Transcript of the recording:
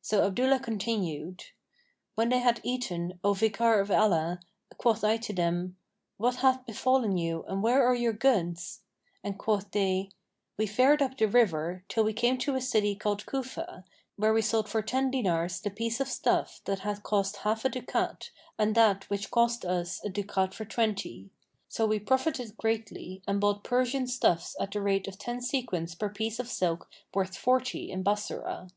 So Abdullah continued "When they had eaten, O Vicar of Allah, quoth I to them, 'What hath befallen you and where are your goods?'; and quoth they, 'We fared up the river,[FN#495] till we came to a city called Cufa, where we sold for ten dinars the piece of stuff that had cost half a ducat and that which cost us a ducat for twenty. So we profited greatly and bought Persian stuffs at the rate of ten sequins per piece of silk worth forty in Bassorah.